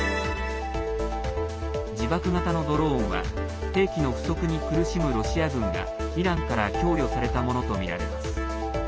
自爆型のドローンは兵器の不足に苦しむロシア軍がイランから供与されたものとみられます。